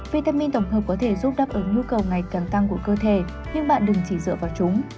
vitamin tổng hợp có thể giúp đáp ứng nhu cầu ngày càng tăng của cơ thể nhưng bạn đừng chỉ dựa vào chúng